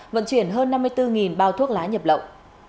vận chuyển hơn năm mươi bốn bao thuốc lá nhập lậu